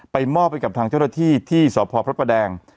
ไปมอบไปกับทางเจ้าหน้าที่ที่สพพแดง